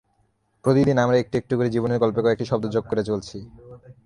প্রতিদিন আমরা একটু একটু করে জীবনের গল্পে কয়েকটি শব্দ যোগ করে চলছি।